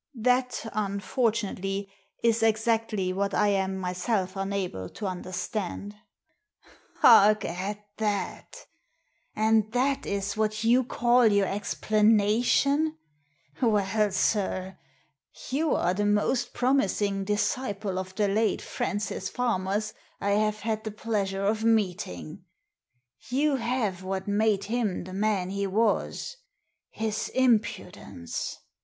" That, unfortunately, is exactly what I am myself unable to understand." " Hark at that ! And that is what you call your explanation ? Well, sir, you are the most promising Digitized by Google A PACK OF CARDS 73 disciple of the late Francis Farmer's I have had the pleasure of meeting. You have what made him the man he was — his impudence."